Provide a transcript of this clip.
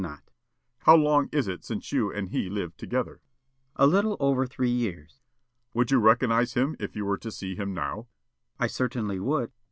The State: "How long is it since you and he lived together?" Witness: "A little over three years." The State: "Would you recognize him if you were to see him now?" Witness: "I certainly would."